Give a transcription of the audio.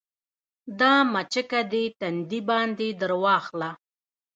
دا مچکه دې تندي باندې درواخله